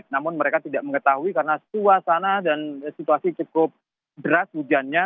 namun mereka tidak mengetahui karena suasana dan situasi cukup deras hujannya